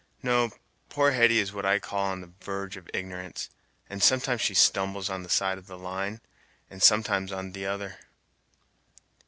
No, poor Hetty is what I call on the verge of ignorance, and sometimes she stumbles on one side of the line, and sometimes on t'other."